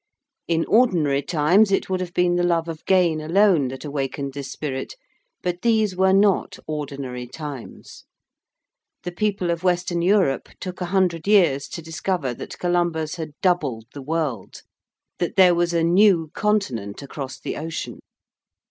In ordinary times it would have been the love of gain alone that awakened this spirit. But these were not ordinary times. The people of Western Europe took a hundred years to discover that Columbus had doubled the world: that there was a new continent across the ocean.